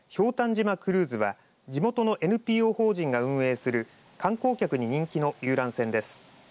島クルーズは地元のＮＰＯ法人が運営する観光客に人気の遊覧船です。